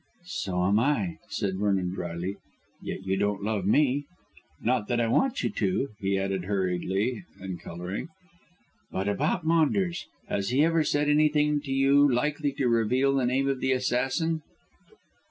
"So am I," said Vernon drily, "yet you don't love me. Not that I want you to," he added hurriedly and colouring. "But about Maunders; has he ever said anything to you likely to reveal the name of the assassin?"